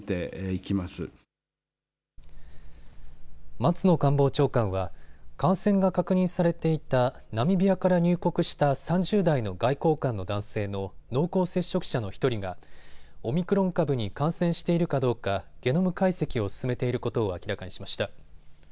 松野官房長官は感染が確認されていたナミビアから入国した３０代の外交官の男性の濃厚接触者の１人がオミクロン株に感染しているかどうかゲノム解析を進めていることを明らかにしました。